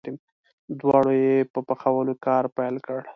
دواړو یې په پخولو کار پیل کړ.